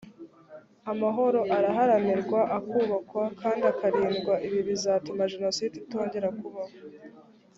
amahoro araharanirwa akubakwa kandi akarindwa ibi bizatuma jenoside itongera kubaho